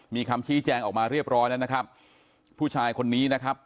มีคำชี้แจงออกมาเรียบร้อยแล้วนะครับผู้ชายคนนี้นะครับ